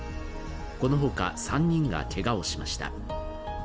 このほか、３人がけがをしました。